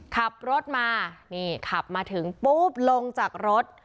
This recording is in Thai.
ขับรถมานี่ขับมาถึงปุ๊บลงจากรถ